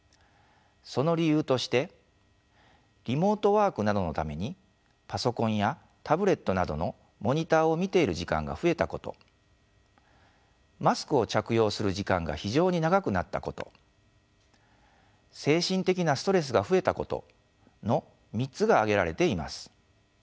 その理由としてリモートワークなどのためにパソコンやタブレットなどのモニターを見ている時間が増えたことマスクを着用する時間が非常に長くなったこと精神的なストレスが増えたことの３つが挙げられています。